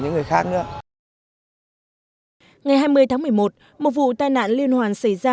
ngày hai mươi tháng một mươi một một vụ tai nạn liên hoàn xảy ra